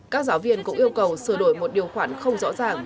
các giáo viên cũng yêu cầu sửa đổi một điều khoản không rõ ràng